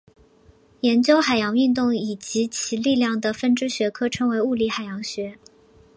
研究海洋运动以及其力量的分支学科称为物理海洋学。